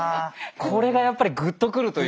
これがやっぱりグッと来るというか。